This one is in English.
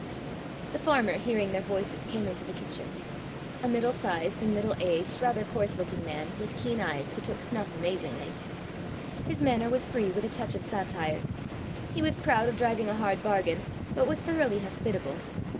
The farmer, hearing their voices, came into the kitchen a middle sized and middle aged, rather coarse looking man, with keen eyes, who took snuff amazingly. His manner was free, with a touch of satire. He was proud of driving a hard bargain, but was thoroughly hospitable.